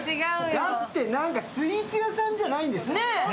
だって、スイーツ屋さんじゃないんですか、ねえ。